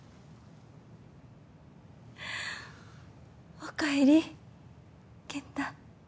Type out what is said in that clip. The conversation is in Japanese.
おかえり健太。